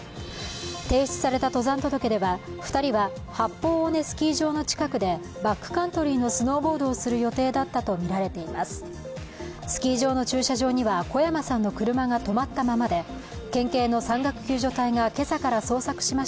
提出された登山届では２人は八方尾根スキー場の近くでバックカントリーのスノーボードをする予定だったとみられています。